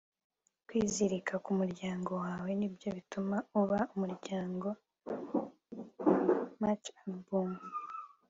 kwizirika ku muryango wawe nibyo bituma uba umuryango. - mitch albom